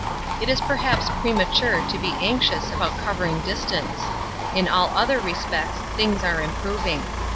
It is perhaps premature to be anxious about covering distance. In all other respects things are improving.